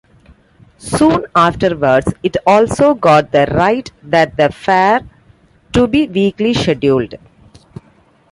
Soon afterwards, it also got the right that the fair to be weekly scheduled.